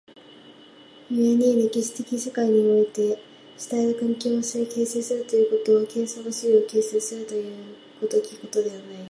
故に歴史的世界において主体が環境を形成するということは、形相が質料を形成するという如きことではない。